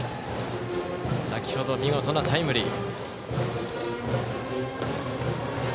先ほど、見事なタイムリー。